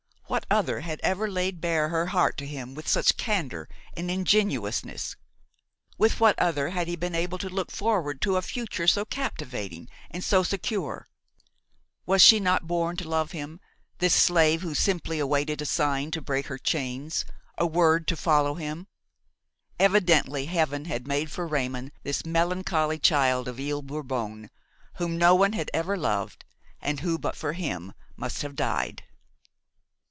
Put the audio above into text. What other had ever laid bare her heart to him with such candor and ingenuousness? With what other had he been able to look forward to a future so captivating and so secure? Was she not born to love him, this slave who simply awaited a sign to break her chains, a word to follow him? Evidently heaven had made for Raymon this melancholy child of Ile Bourbon, whom no one had ever loved, and who but for him must have died.